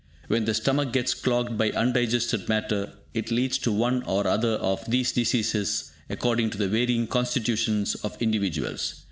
When the stomach gets clogged by undigested matter, it leads to one or other of these diseases, according to the varying constitutions of individuals.